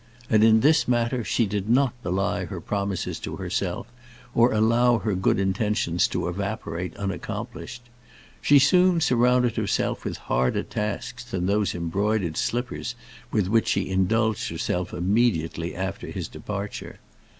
And in this matter she did not belie her promises to herself, or allow her good intentions to evaporate unaccomplished. She soon surrounded herself with harder tasks than those embroidered slippers with which she indulged herself immediately after his departure.